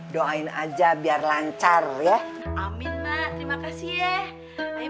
doain aja biar lancar ya amin terima kasih ya